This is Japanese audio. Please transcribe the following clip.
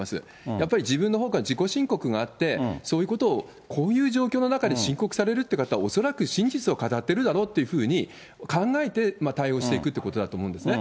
やっぱり自分のほうから自己申告があって、そういうことをこういう状況の中で申告されるっていう方は、恐らく真実を語ってるだろうっていうふうに考えて対応していくということだと思うんですね。